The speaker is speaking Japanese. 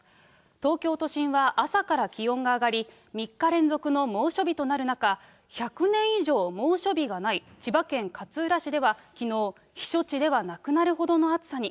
東京都心は朝から気温が上がり、３日連続の猛暑日となる中、１００年以上猛暑日がない千葉県勝浦市では、きのう、避暑地ではなくなるほどの暑さに。